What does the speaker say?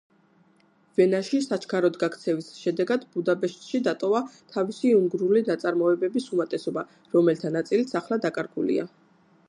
ვენაში საჩქაროდ გაქცევის შედეგად ბუდაპეშტში დატოვა თავისი უნგრული ნაწარმოებების უმეტესობა, რომელთა ნაწილიც ახლა დაკარგულია.